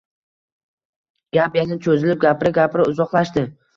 Gap yana cho'zilib gapira-gapira uzoqlashdi.